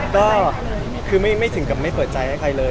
ก็คือไม่ถึงกับไม่เปิดใจให้ใครเลย